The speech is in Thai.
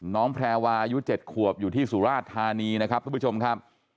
แพรวาอายุ๗ขวบอยู่ที่สุราชธานีนะครับทุกผู้ชมครับ